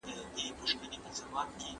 زده کړی د بریا لار ده.